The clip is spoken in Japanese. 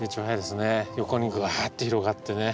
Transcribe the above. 横にぐわって広がってね。